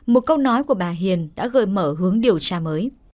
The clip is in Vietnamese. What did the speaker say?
một câu nói của bà hiền đã gợi mở hướng điều tra mới